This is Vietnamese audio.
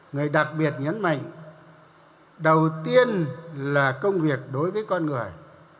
người đặc biệt nhấn mạnh đầu tiên là công việc đối với con người